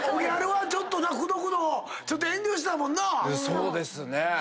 そうですね。